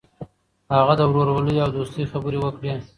هغه د ورورولۍ او دوستۍ خبرې وکړې.